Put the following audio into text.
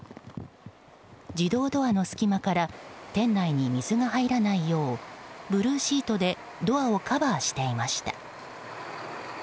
自動ドアの隙間から店内に水が入らないようブルーシートでドアをカバーしていました。